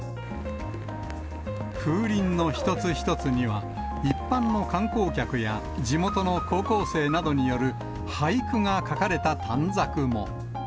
風鈴の一つ一つには、一般の観光客や、地元の高校生などによる俳句が書かれた短冊も。